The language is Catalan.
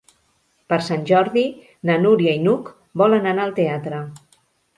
Per Sant Jordi na Núria i n'Hug volen anar al teatre.